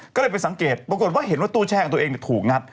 ก็เลยไปสังเกตปรากฏว่าเห็นว่าตู้แช่ของตัวเองถูกงัด